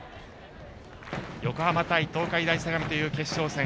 横浜対東海大相模という決勝戦。